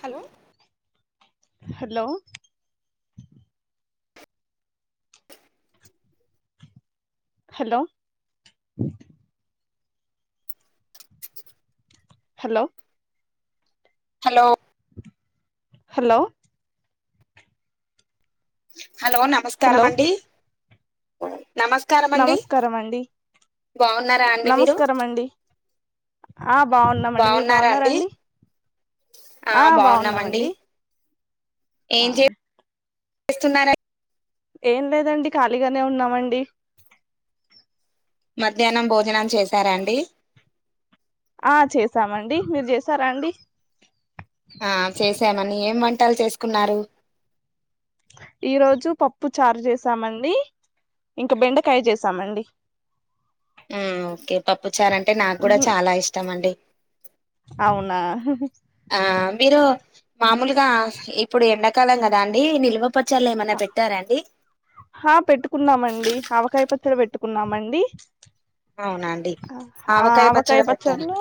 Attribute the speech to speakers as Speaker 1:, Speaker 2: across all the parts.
Speaker 1: Hello
Speaker 2: hello hello hello
Speaker 1: hello
Speaker 2: hello
Speaker 1: hello నమస్కారం
Speaker 2: hello
Speaker 1: అండి నమస్కారం అండి
Speaker 2: నమస్కారం అండి
Speaker 1: బాగున్నారా అండి మీరు
Speaker 2: నమస్కారం అండి ఆ బాగున్నామండి మీరు బాగున్నారా అండి ఆ బాగున్నాము అండి ఆ
Speaker 1: చేస్తున్నార
Speaker 2: ఏం లేదండి ఖాళీగానే ఉన్నామండి
Speaker 1: మధ్యాహ్నం భోజనం చేసారా అండి
Speaker 2: ఆ చేసామండి మీరు చేసారా అండి
Speaker 1: టలు చేసుకున్నారు
Speaker 2: ఈ రోజు పప్పు చారు చేసామండి ఇంకా బెండకాయ చేసామండి
Speaker 1: ఉ ఓకే పప్పు చారు అంటే నాకు కూడా చాలా ఇష్టం అండి
Speaker 2: అవునా
Speaker 1: ఆ మీరు మామూలుగా ఇప్పుడు ఎండాకాలం కదా అండి నిల్వ పచ్చళ్ళు ఏమైనా పెట్టారాండి
Speaker 2: ఆ పెట్టుకున్నామండి ఆవకాయ పచ్చడి పెట్టుకున్నామండి
Speaker 1: అవునా అండి
Speaker 2: ఆ
Speaker 1: ఆవకాయ
Speaker 2: అవకాయ
Speaker 1: పచ్చడి పెట్టారా
Speaker 2: పచ్చడ్లు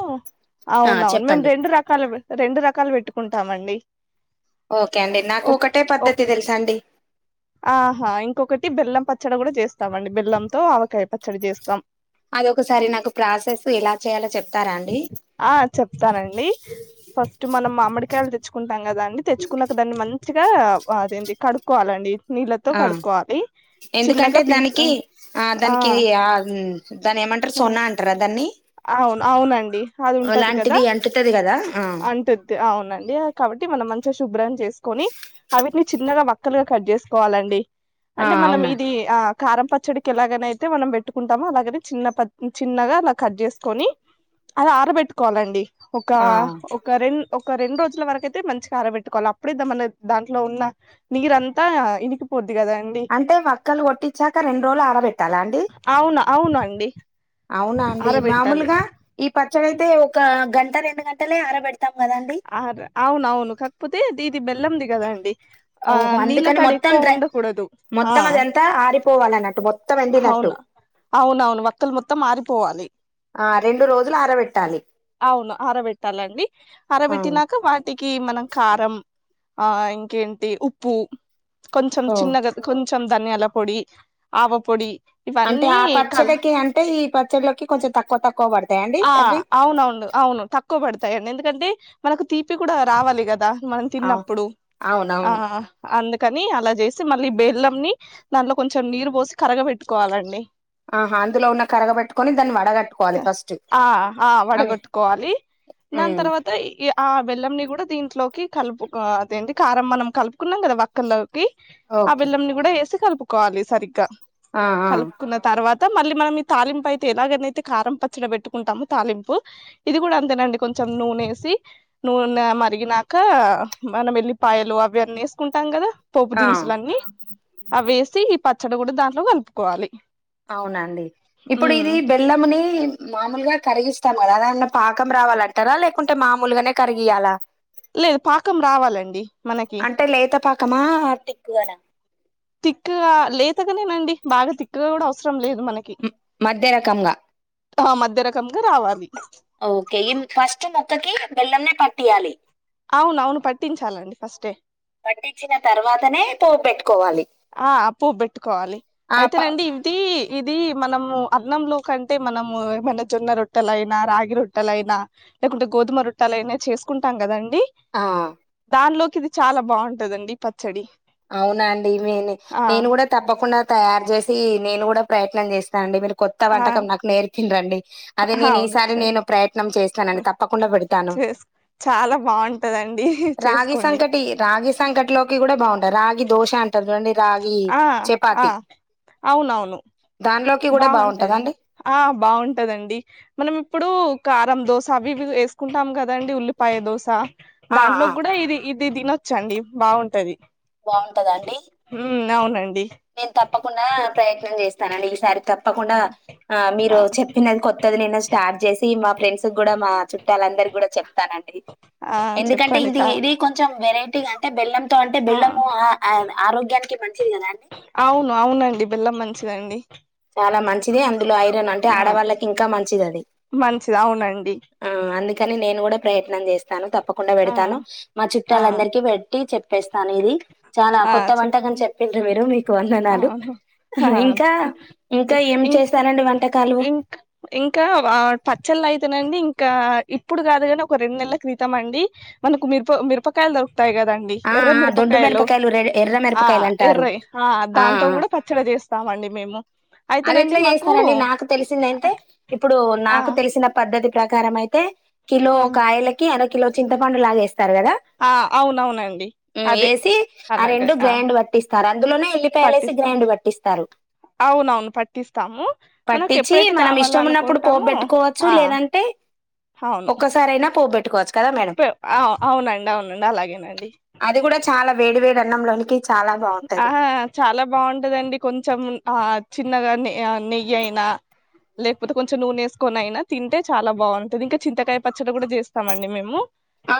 Speaker 1: ఆ
Speaker 2: అవునవును మేము
Speaker 1: చెప్పండి
Speaker 2: రెండు రకాలు రెండు రకాలు పెట్టుకుంటాము అండి
Speaker 1: ఓకే అండి నాకు ఒకటే
Speaker 2: ఒక
Speaker 1: పద్ధతి తెలుసు అండి
Speaker 2: ఆహా ఇంకొకటి బెల్లం పచ్చడి కూడా చేస్తామండి బెల్లంతో ఆవకాయ పచ్చడి చేస్తాం
Speaker 1: ఆది ఓకసారి నాకు ప్రాసెస్ ఎలా చేయాలో చెప్తారా అండి
Speaker 2: ఆ చెప్తానండి ఫస్ట్ మనం మామిడికాయలు తెచ్చుకుంటాం కదా అండి తెచ్చుకున్నాక దాన్ని మంచిగా అదేంటి కడుక్కోవాలండి నీళ్ళతో
Speaker 1: ఆ
Speaker 2: కడుక్కోవాలి
Speaker 1: ఎందుకంటే
Speaker 2: చిన్నగా పీస్ ఆ!
Speaker 1: దానికి ఆ దానికి ఆ దాని ఏమంటారు
Speaker 2: ఆ!
Speaker 1: సోనా అంటారా దాన్ని
Speaker 2: అవును అవునండి అది ఉంటది కదా
Speaker 1: అలాంటిది అంటుతది కదా ఆ
Speaker 2: అంటుద్ది అవునండి కాబట్టి మనం మంచిగా శుభ్రం చేసుకొని వాటిని చిన్నగా ముక్కలుగా కట్ చేసుకోవాలండి
Speaker 1: ఆ
Speaker 2: అంటే మనం
Speaker 1: అవునా
Speaker 2: ఇది ఆ కారం పచ్చడికి ఎలాగ అయితే మనం పెట్టుకుంటామో అలాగనే చిన్న ప చిన్నగా అలా కట్ చేసుకొని అలా ఆరబెట్టుకోవాలండి ఒక
Speaker 1: ఆ
Speaker 2: ఒక రెం ఒక రెండు రోజుల వరకయితే మంచిగా ఆరబెట్టుకోవాలి అప్పుడే మన దాంట్లో ఉన్న నీరంతా ఇనికినికిపోతు
Speaker 1: అంటే వక్కలు కొట్టిచ్చాక రెండు రోజులు అరబెట్టాలా అండి
Speaker 2: అవునండి
Speaker 1: అవునా అండి మామూలుగా ఈ పచ్చడి అయితే ఒక గంట రెండు గంటలే ఆరబె
Speaker 2: ఆ అవును అవును కాకపోతే ది ఇది బెలం ది కదా అండి ఆ
Speaker 1: ఓహో
Speaker 2: నీళ్ళ
Speaker 1: అందుకని
Speaker 2: తడి
Speaker 1: మొత్తం
Speaker 2: ఎక్కువ
Speaker 1: డ్రై
Speaker 2: ఉండకూడదు ఆ
Speaker 1: మొత్తం అదంతా ఆరిపోవాలన్నట్టు మొత్తం ఎండి నట్టు
Speaker 2: అవున అవును ఒక్కలు మొత్తం ఆరిపోవాలి
Speaker 1: ఆ రెండు రోజులు ఆరబెట్టాలి
Speaker 2: అవును అరబెట్టాలండి
Speaker 1: ఆ
Speaker 2: అరబెట్టినాక వాటికి మనం కారం ఆ ఇంకేంటి ఉప్పు కొంచెం
Speaker 1: ఓ
Speaker 2: చిన్నగా కొ కొంచెం ధనియాల పొడి ఆవ పొడి
Speaker 1: అంటే
Speaker 2: ఇవన్నీ
Speaker 1: ఆ
Speaker 2: కల్
Speaker 1: పచ్చడికి అంటే ఈ పచ్చడిలోకి కొంచెం తక్కువ తక్కువ పడుతది
Speaker 2: ఆ అవునవును అవును తక్కువ పడతాయండి ఎందుకంటే మనకు తీపి కూడా రావాలి కదా మనం
Speaker 1: అవు
Speaker 2: తిన్నప్పుడు ఆ
Speaker 1: అవునవును
Speaker 2: అందుకు కాని అలా చేసి మళ్ళీ బెల్లం ని దానిలో కొంచెం నీరు పోసి కరగబెట్టుకోవాలండి
Speaker 1: ఆహ అందులో ఉన్న కరగ పెట్టుకొని దాన్ని వడగట్టుకోవాలి ఫస్ట్
Speaker 2: ఆహ
Speaker 1: అని
Speaker 2: వడగట్టుకోవాలి దాని
Speaker 1: ఉమ్
Speaker 2: తర్వాత ఆ బెల్లం ని కూడా దీంట్లొ లోకి కలుపు అది ఏంది కారం మనం కలుపుకున్నాం కదా ఒక్కర్లోకి ఆ
Speaker 1: ఓకే
Speaker 2: బెల్లెం ని కూడా యేసి కలుపుకోవాలి సరిగ్గా
Speaker 1: ఆ ఆ
Speaker 2: కలుపుకున్న తర్వాత మళ్ళీ మనం ఈ తాలింపు అయితే ఎలాగ అని అయితే కారం పచ్చడి పెట్టు కుంటామో తాలింపు ఇది కూడా అంతేనండి కొంచెం నూనేసి నూనె మరిగినాక మనం వెల్లిపాయలు అవి అన్నీ వేసుకుంటాం కదా పోపు
Speaker 1: ఆ
Speaker 2: దినుసులన్నీ అవ్వి వేసి ఈ పచ్చడి కూడా దాంట్లో కలుపుకోవాలి
Speaker 1: అవునండి ఇప్పుడు
Speaker 2: ఉమ్
Speaker 1: ఇది బెల్లంని మామూలుగా కరిగిస్తాం కదా అదాన్న పాకం రావాలంటారా లేకుంటే మామలుగానే కరిగియాలా
Speaker 2: లేదు పాకం రావాలండి మనకి
Speaker 1: అంటే లేత పాకమా తిక్కుగానా
Speaker 2: తిక్క గా లేతగానేనండి బాగా తిక్కుగా కూడా అవసరం లేదు మనకి
Speaker 1: మధ్య రకంగా
Speaker 2: ఆ మధ్య రకంగా రావాలి
Speaker 1: ఓకే ఈ ఫస్ట్ మొక్కకి బెల్లం నే పట్టియాలి
Speaker 2: అవును అవును పట్టించాలండి ఫస్టే
Speaker 1: పట్టించిన తర్వాతనే పోపు పెట్టుకోవాలి
Speaker 2: ఆ అప్పుడు బెట్టుకోవాలి
Speaker 1: ఆ ప
Speaker 2: అయితేనండి ఇది ఇది మనము అన్నంలో కంటే మనము ఏమైనా జొన్న రొట్టెలైనా రాగి రొట్టెలైనా లేకుంటే గోధుమ రొట్టెలు అయినా చేసుకుంటాం కదండి
Speaker 1: ఆ
Speaker 2: దానిలోకి ఇది చాలా బాగుంటదండి పచ్చడి
Speaker 1: అవునా అండి మేలే
Speaker 2: ఆ
Speaker 1: నేను కూడా తప్పకుండా తయారు చేసి నేను కూడా ప్రయత్నం చేస్తా అండి మరి కొత్త
Speaker 2: ఆ
Speaker 1: వంటకం
Speaker 2: ఆ,
Speaker 1: నాకు నేర్పిన్ రండి అది నేను
Speaker 2: అవును
Speaker 1: ఈసారి నేను ప్రయత్నం చేస్తానండి తప్పకుండా పెడతాను
Speaker 2: చాలా బాగుంటందండి చేసుకోండి
Speaker 1: సంకటీ లోకి కూడా బాగుంటాయి రాగి దోశ అంటారు కదా అండి
Speaker 2: ఆ ఆ అవునవును
Speaker 1: దానిలోకి గూడా
Speaker 2: బాగుంటాది
Speaker 1: బావుంటదా అండి?
Speaker 2: ఆ బాగుంటదండి మనం ఇప్పుడు కారం దోశ అవి ఇవి వేసుకుంటాం కాదండి ఉల్లిపాయ దోస
Speaker 1: ఆ ఆ
Speaker 2: దాంట్లోకి కూడా ఇది ఇది దిన చ్చండి బాగుంటాది
Speaker 1: బాగుంటదా అండి
Speaker 2: ఇంగా ఉన్నాయండి
Speaker 1: నేను తప్పకుండా ప్రయత్నం చేస్తానండి ఈసారి తప్పకుండా ఆ మీరు చెప్పినది కొత్తది నిను స్టార్ట్ చేసి మా ఫ్రెండ్స్ కూడా మా చు చూట్టలందరికీ కూడా చెప్తానండి
Speaker 2: ఆ
Speaker 1: ఎందుకంటే
Speaker 2: చెప్పండి చ
Speaker 1: ఇది ఇది కొంచెం వెరైటీగా అంటే బెల్లంతో అంటే బెల్లము ఆ అవునా ఆరోగ్యానికి మంచిదేనా అండి
Speaker 2: అవును అవునండి బెల్లం మంచిదండి
Speaker 1: చాలా మంచిది అందులో ఐరన్ అంటే
Speaker 2: ఆ
Speaker 1: ఆడవాళ్ళకి ఇంకా మంచిది అది
Speaker 2: మంచిది అవునండి
Speaker 1: కాని నేను కూడా ప్రయత్నం చేస్తాను తప్పకుండా
Speaker 2: ఆ
Speaker 1: పెడతాను మా
Speaker 2: ఆ
Speaker 1: చూట్టాలందరికి పెట్టి చెప్ చేప్పేస్తాను ఇది చాలా
Speaker 2: ఆ
Speaker 1: కొత్త
Speaker 2: చె
Speaker 1: వంటకం చెప్పిండ్రు మీరు మీ వందనాలు
Speaker 2: అవును ఆ
Speaker 1: ఆహ్ ఇంకా ఇంకా ఏం
Speaker 2: ఇం
Speaker 1: చేస్తానండి వ
Speaker 2: ఇంక్ ఇంకా వా పచ్చళ్లైతెనండీ ఇంకా ఇప్పుడు కాదుగాని ఒక రెండునెల్ల క్రితం అండీ మనకు మిరప మిరపకాయలు దొరుకుతాయి కదండి
Speaker 1: ఆ
Speaker 2: ఎర్ర
Speaker 1: ఆ దొడ్డు
Speaker 2: మిరపకాయలు
Speaker 1: రెడ్ ఎర్ర
Speaker 2: ఆ
Speaker 1: మిరపకాయలు అంటారు.
Speaker 2: ఎర్రయి ఆ దాంతో గూడా పచ్చడి చె స్తావండి మేము అయితేనండి
Speaker 1: అదెట్లా
Speaker 2: మాకు
Speaker 1: చేస్తారండి నాకు తెలిసిందేంటే, ఇప్పుడూ
Speaker 2: ఆ
Speaker 1: నాకు తెలిసిన పద్ధతి ప్రకారమైతే కిలో
Speaker 2: ఆ
Speaker 1: కాయలకి అరకిలో చింతపండులాగేస్తారు గదా
Speaker 2: ఆ అవునవునండి
Speaker 1: మ్
Speaker 2: అదే
Speaker 1: ఏసీ ఆ రెండు గ్రైండ్ పట్టిస్తారు అందులోనే ఎల్లిపాయలేసి
Speaker 2: పట్టిస్తాం
Speaker 1: గ్రైండ్ పట్టి ఇస్తారు
Speaker 2: అవునవును పట్టిస్తాము మనకు
Speaker 1: పట్టిచ్చీ
Speaker 2: ఎప్పుడైతే
Speaker 1: మనం
Speaker 2: కావాల
Speaker 1: ఇష్టం ఉన్నప్పుడు
Speaker 2: అనుకుంటామో
Speaker 1: పోప్బెట్టుకోవచ్చు
Speaker 2: ఆ
Speaker 1: లేదంటే ఒక్కసారైనా పోప్బె
Speaker 2: ప్ ఆ అవునండవునండి అలాగేన
Speaker 1: అదికూడా చాలా వేడి వేడి అన్నం
Speaker 2: ఆహా చాలా బావుంటదండి కొంచెం ఆ చిన్నగా నె ఆ నెయ్యి అయినా లేకపోతే కొంచెం నూనేస్కొనైనా తింటే చాలా బావుంటది ఇంకా చింతకాయ పచ్చడి కూడా చేస్తామండి మేము
Speaker 1: ఆ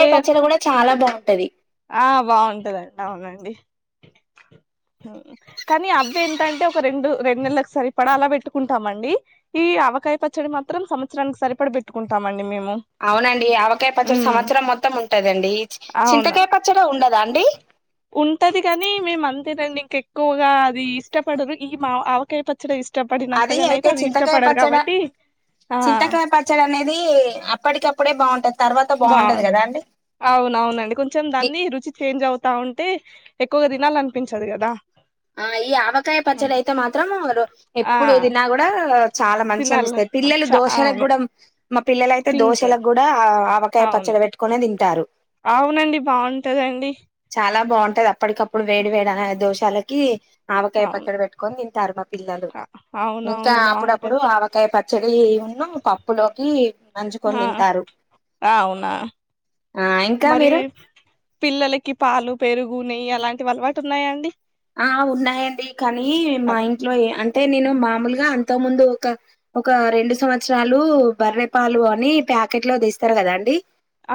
Speaker 2: ఏ
Speaker 1: పచ్చడి కూడా చాలా బాగుంటది
Speaker 2: ఆ బావుంటది అవునండి. కానీ అవ్వేటంటే ఒక రెండు రెండ్నెల్లకి సరిపడా అలా పెట్టుకుంటామండీ, ఈ అ అవకాయ పచ్చడి మాత్రం సంత్సరానికి సరిపడ పెట్టుకుంటామండి మేం
Speaker 1: ఆవునండీ ఆవకాయ పచ్చడి సంవత్సరం మొత్తం ఉంటదండీ,
Speaker 2: అవును.
Speaker 1: చింతకాయ పచ్చడ ఉండదాండీ
Speaker 2: ఎక్కువగా అదీ ఇష్టపడరు ఈ మావ ఆవకాయ పచ్చడే ఇస్ ఇష్ట పడినంతగానైతే
Speaker 1: అయితే
Speaker 2: అది
Speaker 1: చింతకాయ
Speaker 2: ఇష్టపడరు
Speaker 1: పచ్చడి
Speaker 2: కాబట్టీ
Speaker 1: చింతకాయ పచ్చడనేదీ అప్పటికప్పుడే బా
Speaker 2: బా అవునవునండి కొంచెం దాన్నీ రుచి చేంజ్ అవుతా ఉంటే ఎక్కువగా తినాలనిపించదు గదా
Speaker 1: ఆ ఈ ఆవకాయ పచ్చడైతే మాత్రం రొ
Speaker 2: ఆ!
Speaker 1: ఎప్పుడు తిన్నాగూడా చాలా మంచిగ
Speaker 2: తినాల
Speaker 1: అనిపిస్తది పిల్లలు
Speaker 2: చ అవును.
Speaker 1: దోషలగ్గూడ మా పిల్లలైతే
Speaker 2: తింటరు.
Speaker 1: దోషలగ్గూడా ఆవ
Speaker 2: అవును, అవునండి బావుంటదండి.
Speaker 1: చాలా బావుంటది అప్పడికప్పుడు వేడి వేడి అన దోషాలకీ ఆవకాయ
Speaker 2: అవును.
Speaker 1: పచ్చడి పెట్టుకొని తింటారు పిల్లలు
Speaker 2: అ
Speaker 1: ఇంకా
Speaker 2: అవునవును
Speaker 1: అప్పుడప్పుడు
Speaker 2: బావుంటది.
Speaker 1: ఆవకాయ ప డీను పప్పులోకీ నంజుకొని
Speaker 2: ఆ!
Speaker 1: తింటారు ఆ ఇంకా
Speaker 2: మరీ
Speaker 1: మీరు
Speaker 2: పిల్లలకి పాలు, పెరుగు, నెయ్యి అలాంటివి అలవాటు ఉన్నాయాండి
Speaker 1: ఆ ఉన్నాయండి కానీ మా
Speaker 2: అదే.
Speaker 1: ఇంట్లో ఏ అంటే నేను మాములు గా అంతముందు ఒక ఒక రెండు సంవత్సరాలూ బర్రెపాలు అనీ ప్యాకెట్లోదేస్తార్ కదాండీ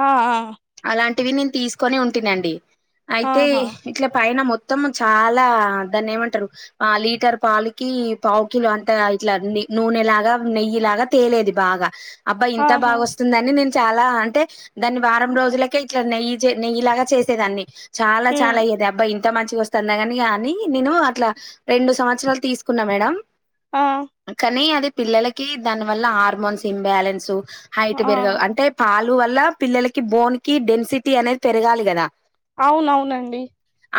Speaker 2: ఆ ఆ ఆ
Speaker 1: అలాంటివి నేను తీసుకొనే ఉంటినండి, అయితే
Speaker 2: ఆహా
Speaker 1: హ్ ఇట్ల పైన మొత్తం చాలా దాన్నేమంటరు ఆ లీటర్ పాలికీ పావుకిలో అంతా ఇట్లా నె నూ నూనె లాగా, నెయ్యిలాగా తేలేది బాగా అబ్బా ఇంత
Speaker 2: ఆహా
Speaker 1: బాగొస్తుందనే నేను చాలా అంటే, దాన్ని వారం రోజులకే ఇట్లా నెయ్యి చె నెయ్యిలాగా చేసేదాన్ని, చాలా చాలా
Speaker 2: హ్మ్
Speaker 1: అయ్యేది అబ్బా ఇంత మంచిగ వస్ తన్నగని కానీ నేనూ అట్లా రెండు సంవత్సరాలు తీసుకున్నా మేడం
Speaker 2: ఆ
Speaker 1: య్యి అది పిల్లలకీ దానివల్ల హార్మోన్స్ ఇంబాలెన్సు, హైట్
Speaker 2: ఆ
Speaker 1: పెరగ అంటే పాల్ లువల్ల పిల్లలకి బోన్ కీ డెన్సిటీ అనేది పెరగాలి గదా
Speaker 2: అవునవునండి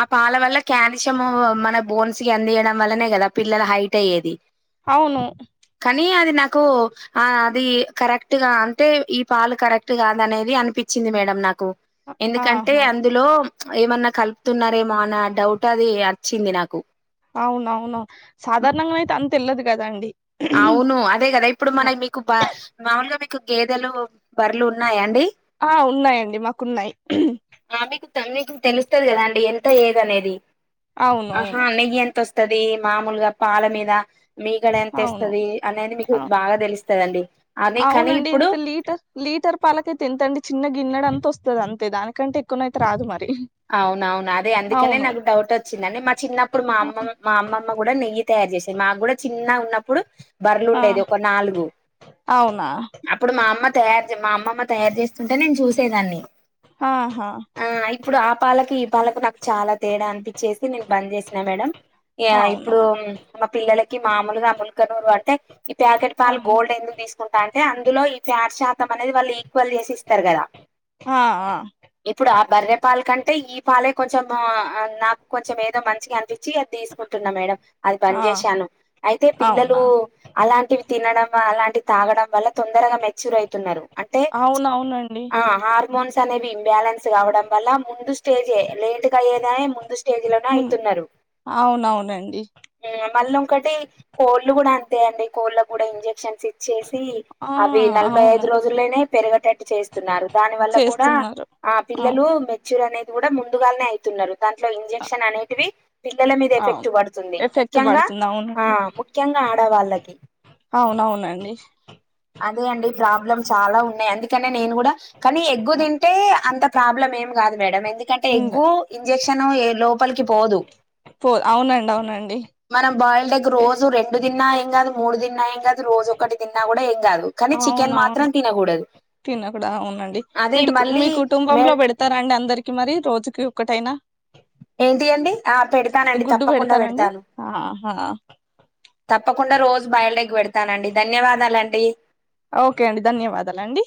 Speaker 1: ఆ పాల వల్ల కాల్షియం మన బోన్స్ కి అందియడం వల్లనే కదా పిల్లలు హైట్ అయ్యేది
Speaker 2: అవును
Speaker 1: కు ఆ అది కరెక్ట్ గా అంటే ఈ పాలు కరెక్ట్ కాదనేది అనిపించింది మేడం నా కు ఎందుకంటే
Speaker 2: ఆహా
Speaker 1: అందులో ఏమన్నా కలుపుతున్నారేమో అన్న డౌట్ అది అచ్చింది నాకు
Speaker 2: అవునవును సాధారణంగా అయితే అంత వెల్లదు కదా అండి
Speaker 1: అవును అదే కదా ఇప్పుడు మన మీకు బ మాలుగా గేదెలు బర్రేలు ఉన్నాయా అండి
Speaker 2: ఆ ఉన్నాయండి మాకున్నాయి
Speaker 1: కు తెలుస్తది కదా అండి ఎంత ఏదనేది ఆహా
Speaker 2: అవునవును
Speaker 1: నెయ్యి ఎంత వస్ మామూలుగా పాల మీద మీగడ ఎంత
Speaker 2: అవును
Speaker 1: ఇస్తది అనేది మీకు
Speaker 2: అవును
Speaker 1: బాగా తెలుస్ స్తదండి
Speaker 2: అవునండి ఇంత లీటర్ లీటర్ పాలకేతెంతండి చిన్న గిన్నడంతోస్ స్తది అంతే దానికంటే ఎక్కువనైతే రాదు మరి
Speaker 1: అవునవును అదే అందుకనే
Speaker 2: అవును
Speaker 1: నాకు డౌట్ వచ్చిందండి మా చిన్నప్పుడు మా అమ్మమ్ మా అమ్మమ్మ కూడా నెయ్యి త చేసేది మాకు కూడా చిన్న ఉన్న అప్పుడు
Speaker 2: ఆ
Speaker 1: బర్రులుండేది ఒక నాలుగు
Speaker 2: అవునా
Speaker 1: అప్పుడు మా అమ్మ తయారు చే మా అమ్మమ్మ తయారు చేస్తుంటే నేను చూసేదాన్ని
Speaker 2: ఆహా
Speaker 1: ప్పుడు ఆ పాలకు ఈ పాలకు నాకు చాలా తేడా అనిపించేసి నేను బంద్ చేసినా మేడం ఇగ
Speaker 2: అవునా
Speaker 1: ఇప్పుడు మా పిల్లలకి మామూలుగా ముల్కనూరు అంటే ఈ ప్యాకెట్ పాలు
Speaker 2: ఆహా,
Speaker 1: గోల్డ్ ఎందుకు తీసుకుంటా అంటే అందులో ఫ్యాట్ శాతం అనేది వాళ్ళు ఈక్వల్ చేసి ఇస్తారు కదా
Speaker 2: హా ఆ
Speaker 1: ఇప్పుడు ఆ బర్రె పాల కంటే ఈ పాలే కొంచెం నాకు కొంచెం ఏదో మంచిగా అని చ్చి అది తీసుకుంటున్నా మేడం అది బాన్
Speaker 2: ఆ
Speaker 1: చేసాను అయితే పిల్లలు
Speaker 2: అవునా
Speaker 1: అలాం టి తినడం అలాంటి తాగడం వల్ల తొందరగా మెచ్యూర్ అవుతున్నారు
Speaker 2: అవునవును అండి
Speaker 1: మోన్స్ అనేవి ఇబ్యాలెన్స్ కావడం వల్ల ముందు స్టేజ్ లెట్ అయ్యేద్ ముందు స్టేజ్ లోనే
Speaker 2: ము
Speaker 1: అయితున్నారు
Speaker 2: అవునవునండి
Speaker 1: మళ్ళ ఒకటి కోళ్ళు కూడా అంతే అండి కోళ్ళ కూడా ఇంజెక్షన్స్ ఇచ్చేసి సి
Speaker 2: ఆ
Speaker 1: అవి నలభై
Speaker 2: అవును
Speaker 1: ఐదు రోజుల్లోనే పెరిగేటట్టు చేస్తున్నారు దాని వల్ల కూడా
Speaker 2: చేస్తున్నారు
Speaker 1: ఆ పిల్లలు
Speaker 2: అవును
Speaker 1: మేచూర్ అనేది కూడా ముందుగానే అవుతున్నారు దాంట్లో
Speaker 2: అ
Speaker 1: ఇంజెక్షన్ అనేటివి పిల్లల మీద
Speaker 2: అవును
Speaker 1: ఎఫెక్ట్ పడుతుంది
Speaker 2: ఎఫెక్ట్
Speaker 1: ముఖ్యంగా
Speaker 2: పడుతుంది
Speaker 1: ఆ
Speaker 2: అవునండి
Speaker 1: ముఖ్యంగా ఆడవాళ్ళకి
Speaker 2: అవునవునండి
Speaker 1: అదే అండి ప్రాబ్లమ్ చాలా ఉన్నాయి అందుకనే నేను కూడా కానీ ఎగ్గు
Speaker 2: ఆ!
Speaker 1: తింటే అంత ప్రాబ్లం ఏం కాదు మేడం ఎందుకంటే
Speaker 2: ఉంది
Speaker 1: ఎగ్గు ఇంజెక్షన్ ఎ లోపలికి పోదు
Speaker 2: పో అవునండి అవునండి
Speaker 1: మనం బర్ల్డె
Speaker 2: ఎ
Speaker 1: రోజు రెండు తిన్నా ఏం కాదు మూడు తిన్నా ఏం కాదు రోజు ఒకటి తిన్నా కూడా ఏం కాదు కానీ చికెన్ మాత్రం తినకూడదు
Speaker 2: తిినకుడాద్ అవునండి మీ మీ
Speaker 1: మే
Speaker 2: కుటుంబంలో పెడుతారాండి అందరికి మరి రోజుకి ఒకటైనా
Speaker 1: ఏంటియి అండి ఆ పెడుతానండి
Speaker 2: గుడ్డు
Speaker 1: తప్పకుండా
Speaker 2: పెడతారండి
Speaker 1: పెడుతాను
Speaker 2: ఆహా
Speaker 1: తప్పకుండా రోజు బాయిల్డ్ ఎగ్ పెడతాను అండి ధన్యవాదాలండి.
Speaker 2: ఓకే అండి ధన్యవాదాలు అండి.